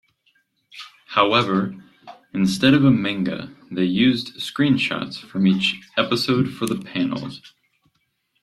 However, instead of a manga, they used screenshots from each episode for the panels.